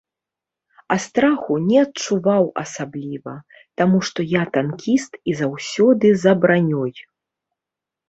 А страху не адчуваў асабліва, таму што я танкіст і заўсёды за бранёй.